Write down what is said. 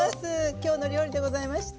「きょうの料理」でございました。